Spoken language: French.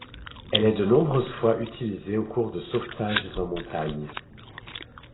Elle est de nombreuses fois utilisée au cours de sauvetages en montagne.